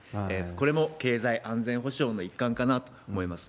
これも経済安全保障の一環かなと思います。